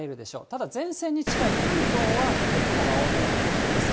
ただ前線に近い関東は、雲が多めのお天気です。